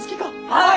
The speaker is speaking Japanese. はい！